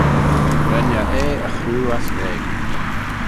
Ren eh eh y chroo ass veg.